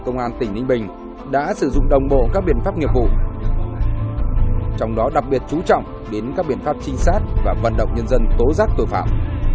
ninh bình đã sử dụng đồng bộ các biện pháp nghiệp vụ trong đó đặc biệt chú trọng đến các biện pháp trinh sát và vận động nhân dân tố giác tội phạm